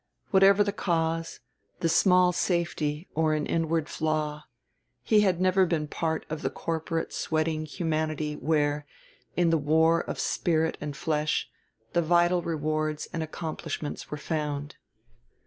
Whatever the cause the small safety or an inward flaw he had never been part of the corporate sweating humanity where, in the war of spirit and flesh, the vital rewards and accomplishments were found.